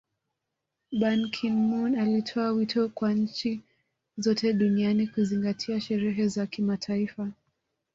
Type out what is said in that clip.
Ban Kin moon alitoa wito kwa nchi zote duniani kuzingatia sheria za kimataifa